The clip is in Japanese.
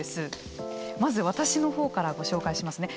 まず私の方からご紹介しますね。